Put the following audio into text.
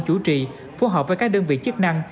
chủ trì phối hợp với các đơn vị chức năng